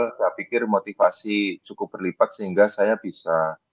saya pikir motivasi cukup berlipat sehingga saya bisa